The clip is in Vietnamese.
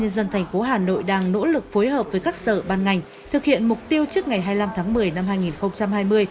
ubnd tp hà nội đang nỗ lực phối hợp với các sở ban ngành thực hiện mục tiêu trước ngày hai mươi năm tháng một mươi năm hai nghìn hai mươi